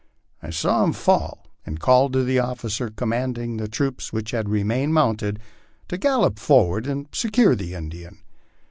I saw him fall, and called to the officer command ing the troop which had remained mounted to gallop forward and secure the Indian.